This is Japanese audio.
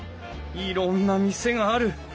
いろんな店がある。